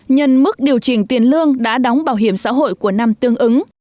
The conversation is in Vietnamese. nhân mức điều chỉnh tiền lương đã đóng bảo hiểm xã hội của năm tương ứng